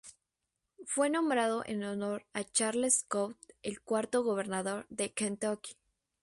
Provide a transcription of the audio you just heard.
Fue nombrado en honor a Charles Scott, el cuarto Gobernador de Kentucky.